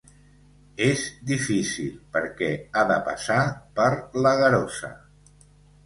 És difícil perquè ha de passar per l'agarosa.